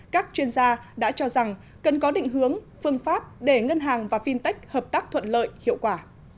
các chuyên gia đã cho rằng cần có định hướng phương pháp để ngân hàng và fintech hợp tác thuận lợi hiệu quả